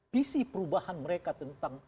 visi perubahan mereka tentang